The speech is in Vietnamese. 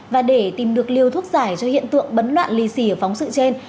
và để tìm được liều thuốc giải cho hiện tượng bấn loạn lì xì ở phóng sự trên